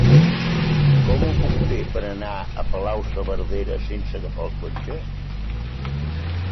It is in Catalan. Com ho puc fer per anar a Palau-saverdera sense agafar el cotxe?